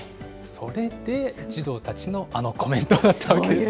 それで児童たちのあのコメントだったわけですね。